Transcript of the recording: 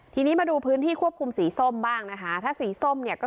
ทีนี้มาดูพื้นที่ควบคุมสีส้มบ้างนะคะถ้าสีส้มเนี่ยก็